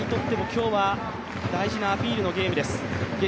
上田綺世にとっても今日は大事なアピールのゲームです。